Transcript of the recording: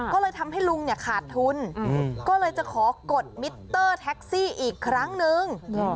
ก็เลยทำให้ลุงเนี่ยขาดทุนก็เลยจะขอกดมิเตอร์แท็กซี่อีกครั้งนึง